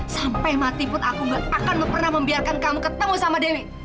sampai mati pun aku gak akan pernah membiarkan kamu ketemu sama dewi